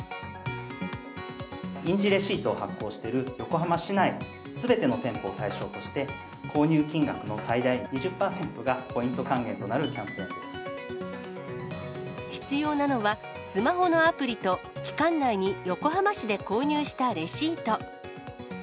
印字レシートを発行している横浜市内すべての店舗を対象として、購入金額の最大２０％がポイ必要なのは、スマホのアプリと、期間内に横浜市で購入したレシート。